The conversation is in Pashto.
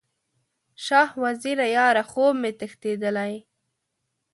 شاه وزیره یاره، خوب مې تښتیدلی